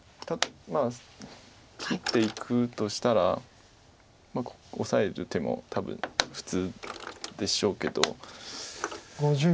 まあ切っていくとしたらオサえる手も多分普通でしょうけど。